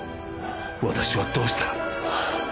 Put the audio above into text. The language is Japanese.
私はどうしたら？